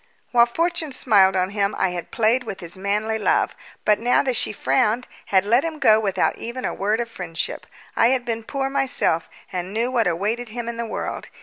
While fortune smiled on him I had played with his manly love, but now that she frowned had let him go without even a word of friendship. I had been poor myself, and knew what awaited him in the world.